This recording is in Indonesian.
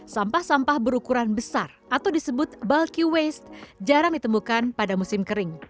sampah sampah berukuran besar atau disebut bulky waste jarang ditemukan pada musim kering